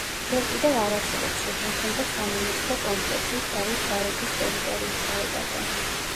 ჯერ კიდევ არ არსებობს შეთანხმება სამონასტრო კომპლექსის „დავით გარეჯის“ ტერიტორიის თაობაზე.